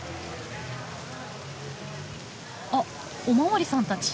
あっお巡りさんたち。